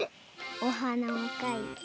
おはなをかいて。